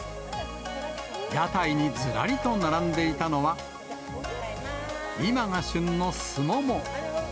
屋台にずらりと並んでいたのは、今が旬のすもも。